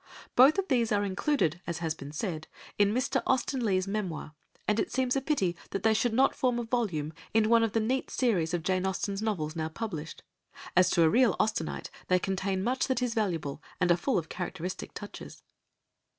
Both of these are included, as has been said, in Mr. Austen Leigh's Memoir, and it seems a pity that they should not form a volume in one of the neat series of Jane Austen's novels now published, as to a real Austenite they contain much that is valuable, and are full of characteristic touches.